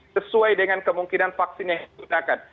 sesuai dengan kemungkinan vaksin yang digunakan